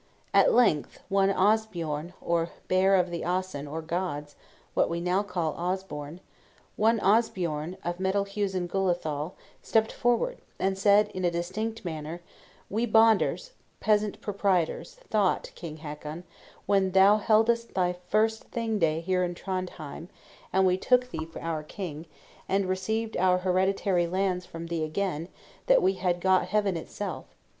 At length, one Osbjorn (or Bear of the Asen or Gods, what we now call Osborne), one Osbjorn of Medalhusin Gulathal, stept forward, and said, in a distinct manner, "We Bonders (peasant proprietors) thought, King Hakon, when thou heldest thy first Thing day here in Trondhjem, and we took thee for our king, and received our hereditary lands from thee again that we had got heaven itself.